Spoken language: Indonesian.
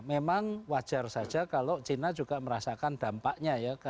memang wajar saja kalau china juga merasakan dampaknya ya